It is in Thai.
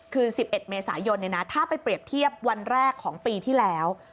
คือ๑๑เมษายนถ้าไปเปรียบเทียบวันแรกของปีที่แล้ว